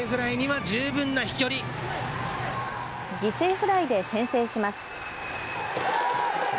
犠牲フライで先制します。